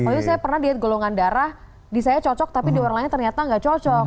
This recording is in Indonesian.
maksudnya saya pernah diet golongan darah di saya cocok tapi di orang lain ternyata nggak cocok